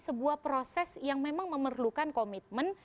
sebuah proses yang memang memerlukan komitmen